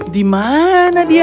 di mana dia